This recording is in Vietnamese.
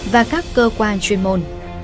và các cơ quan chuyên môn